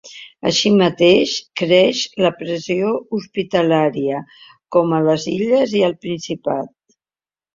Així mateix, creix la pressió hospitalària, com a les Illes i al Principat.